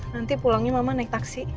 nanti pulangnya mama naik taksi